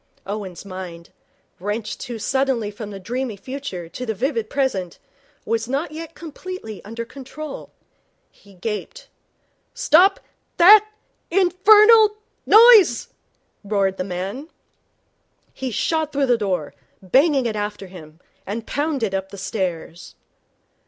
Owen's mind, wrenched too suddenly from the dreamy future to the vivid present, was not yet completely under control. He gaped. 'Stop that infernal noise!' roared the man. He shot through the door, banging it after him, and pounded up the stairs.